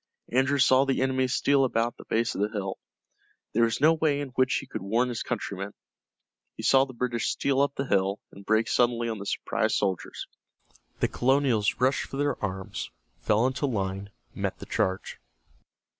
Andrew saw the enemy steal about the base of the hill. There was no way in which he could warn his countrymen. He saw the British steal up the hill, and break suddenly on the surprised soldiers. The colonials rushed for their arms, fell into line, met the charge.